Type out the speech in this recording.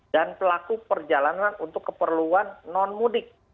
dan pelaku perjalanan untuk keperluan non mudik